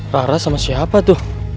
rara sama siapa tuh